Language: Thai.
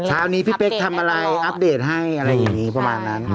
เช้านี้พี่เป๊กทำอะไรอัปเดตให้อะไรอย่างนี้ประมาณนั้น